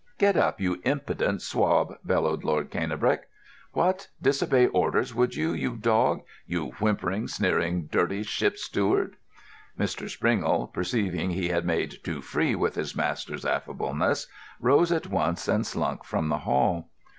"Get up, you impudent swab!" bellowed Lord Cannebrake. "What! Disobey orders, would you, you dog! You whimpering, sneering, dirty ship's steward." Mr. Springle, perceiving he had made too free with his master's affableness, rose at once and slunk from the hall.